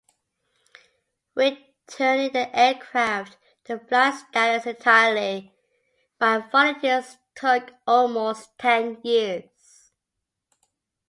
Returning the aircraft to flight status entirely by volunteers took almost ten years.